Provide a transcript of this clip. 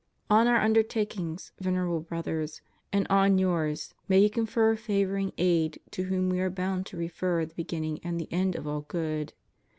On Our undertakings, Venerable Brothers, and on yours, may He confer favoring aid to whom we are bound to refer the beginning and the end of all good.